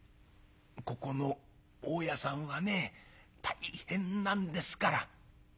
「ここの大家さんはね大変なんですから」。